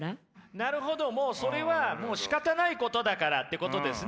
なるほどもうそれはもうしかたないことだからってことですね。